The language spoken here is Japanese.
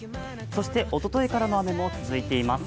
おとといからの雨も続いています。